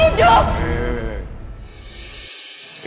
diego masih hidup